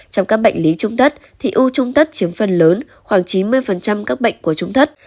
trong các bệnh lý trung tất thì u trung thất chiếm phần lớn khoảng chín mươi các bệnh của chúng thất